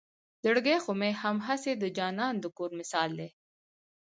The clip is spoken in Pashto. زړګے خو مې هم هسې د جانان د کور مثال دے